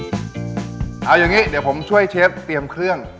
เอาอย่างนี้เดี๋ยวผมช่วยเชฟเตรียมเครื่อง